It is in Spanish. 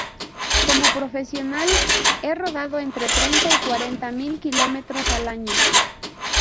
Como profesional, he rodado entre treinta y cuarenta mil kilómetros al año.